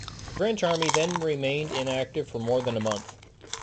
The French army then remained inactive for more than a month.